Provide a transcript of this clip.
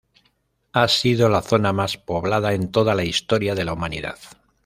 Ha sido la zona más poblada en toda la historia de la humanidad.